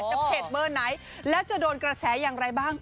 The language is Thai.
เพจเบอร์ไหนแล้วจะโดนกระแสอย่างไรบ้าง